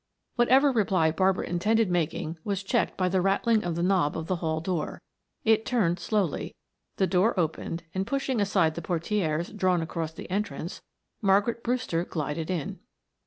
Whatever reply Barbara intended making was checked by the rattling of the knob of the hall door; it turned slowly, the door opened and, pushing aside the portieres drawn across the entrance, Margaret Brewster glided in.